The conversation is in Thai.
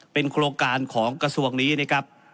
เป็นโครงการของกระทรวงนี้นะครับ